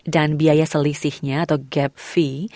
dan biaya selisihnya atau gap fee